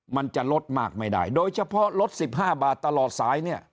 มันจะลดมากไม่ได้โดยเฉพาะรถสิบห้าบาทตลอดสายเนี่ย